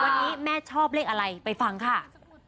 วันนี้แม่ชอบเลขอะไรไปฟังค่ะ